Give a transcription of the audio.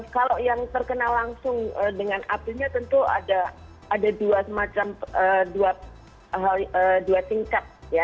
kalau yang terkenal langsung dengan apinya tentu ada dua semacam dua tingkat